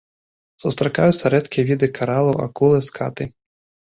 Сустракаюцца рэдкія віды каралаў, акулы, скаты.